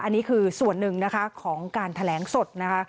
อันนี้คือส่วนหนึ่งนะคะของการแถลงสดนะคะ